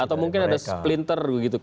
atau mungkin ada splinter begitu